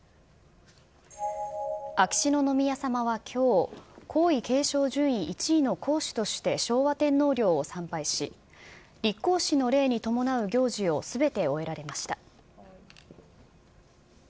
秋篠宮さまはきょう、皇位継承順位１位の皇嗣として昭和天皇陵を参拝し、立皇嗣の礼に伴う行事をすべて終えられました。